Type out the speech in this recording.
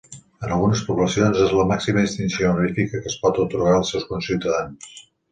En algunes poblacions, és la màxima distinció honorífica que es pot atorgar als seus conciutadans.